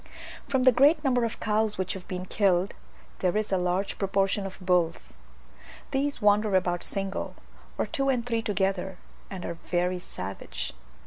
From the great number of cows which have been killed, there is a large proportion of bulls. These wander about single, or two and three together, and are very savage.